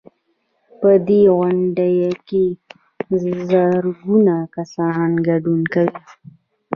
په دې غونډه کې زرګونه کسان ګډون کوي.